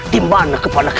di mana kepadaku